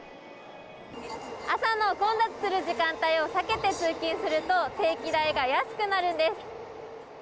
朝の混雑する時間帯を避けて通勤すると、定期代が安くなるんです。